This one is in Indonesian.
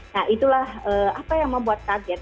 nah itulah apa yang membuat kaget